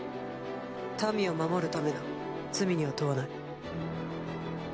民を守るためだ罪には問わない。